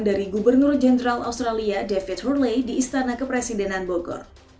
dari gubernur jenderal australia david hunllay di istana kepresidenan bogor